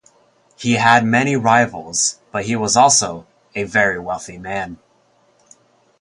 He had many rivals, but he was also a very wealthy man.